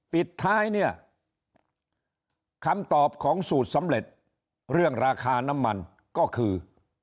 ปิดท้ายเนี่ยคำตอบของสูตรสำเร็จเรื่องราคาน้ำมันก็คือ